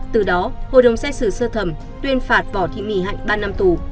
từ đó hội đồng xét xử sơ thẩm tuyên phạt võ thị mỹ hạnh ba năm tù